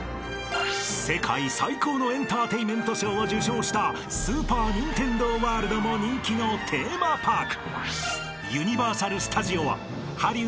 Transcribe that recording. ［世界最高のエンターテインメント賞を受賞したスーパー・ニンテンドー・ワールドも人気のテーマパーク］